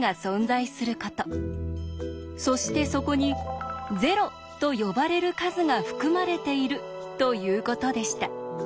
そしてそこに「０」と呼ばれる数が含まれているということでした。